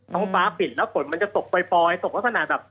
ท้องฟ้าปิดแล้วฝนมันจะตกปล่อยตกลักษณะแบบ